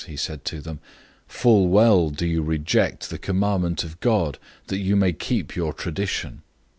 007:009 He said to them, "Full well do you reject the commandment of God, that you may keep your tradition.